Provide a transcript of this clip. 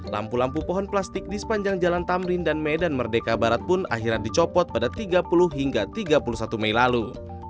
lampu lampu pohon plastik di sepanjang jalan tamrin dan medan merdeka barat pun akhirnya dicopot pada tiga puluh hingga tiga puluh satu mei lalu